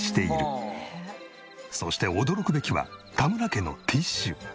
そして驚くべきは田村家のティッシュ。